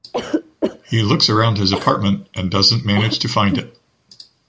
He looks around his apartment and doesn’t manage to find it.